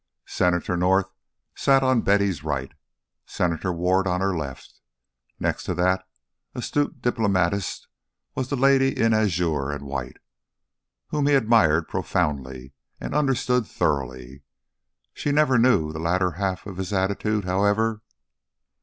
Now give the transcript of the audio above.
Senator North sat on Betty's right, Senator Ward on her left. Next to that astute diplomatist was the lady in azure and white, whom he admired profoundly and understood thoroughly. She never knew the latter half of his attitude, however.